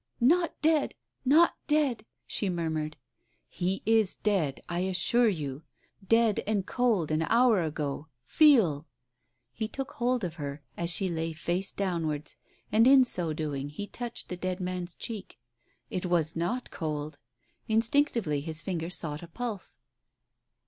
"Not dead ! Not dead !" she murmured. "He is dead, I assure you. Dead and cold an hour ago ! Feel !" He took hold of her, as she lay face downwards, and in so doing he touched the dead man's cheek — it was not cold ! Instinctively his finger sought a pulse.